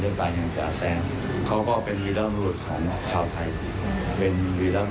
อืมแต่โดยการจัดแสงเขาก็เป็นรูปของชาวไทยเป็นโลก